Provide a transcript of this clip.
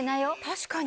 確かに。